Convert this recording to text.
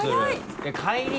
帰り